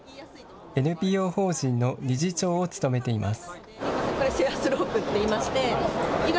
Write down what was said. ＮＰＯ法人の理事長を務めています。